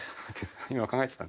今考えてた？